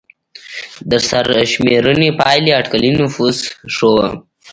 د سرشمېرنې پایلې اټکلي نفوس ښوده.